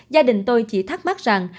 gia đình tôi chỉ thắc mắc rằng